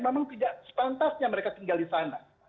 memang tidak sepantasnya mereka tinggal di sana